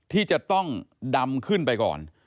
ที่จะต้องดำขึ้นไปก่อน